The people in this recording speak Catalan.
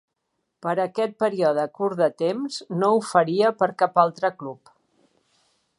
Per aquest període curt de temps no ho faria per cap altre club.